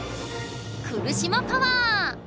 来島パワー！